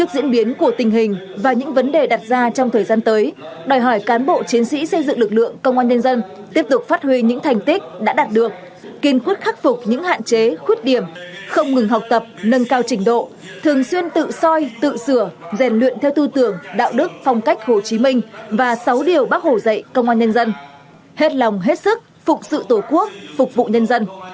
diễn biến của tình hình và những vấn đề đặt ra trong thời gian tới đòi hỏi cán bộ chiến sĩ xây dựng lực lượng công an nhân dân tiếp tục phát huy những thành tích đã đạt được kiên khuất khắc phục những hạn chế khuất điểm không ngừng học tập nâng cao trình độ thường xuyên tự soi tự sửa rèn luyện theo tư tưởng đạo đức phong cách hồ chí minh và sáu điều bác hổ dạy công an nhân dân hết lòng hết sức phục sự tổ quốc phục vụ nhân dân